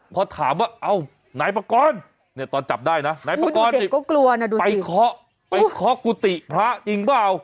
พอถามว่านายปกรณ์ตอนจับได้นะนายปกรณ์ไปเคาะกุฏิพระจริงเปล่า